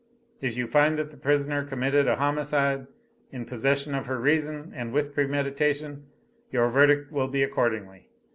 If you find that the prisoner committed a homicide, in possession of her reason and with premeditation, your verdict will be accordingly.